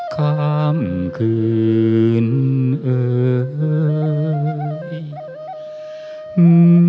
ข้ามคืนเอ่ยหื้มหื้มหื้มหื้มหื้ม